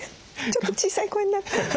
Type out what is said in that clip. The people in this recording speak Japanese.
ちょっと小さい声になってる。